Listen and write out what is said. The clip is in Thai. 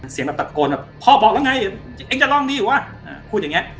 เสียงแบบตะโกนแบบพ่อบอกแล้วไงเองจะร่องนี้หรือวะ